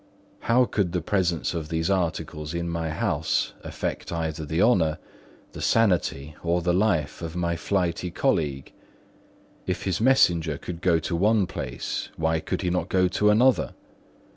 How could the presence of these articles in my house affect either the honour, the sanity, or the life of my flighty colleague? If his messenger could go to one place, why could he not go to another?